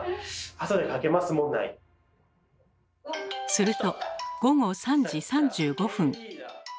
すると午後３時３５分。